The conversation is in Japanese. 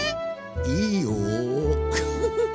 いいよフフフ。